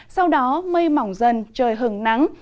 sau đó mây mỏng dần trời hứng nắng